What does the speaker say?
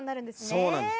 そうなんです。